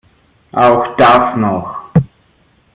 Auch das noch!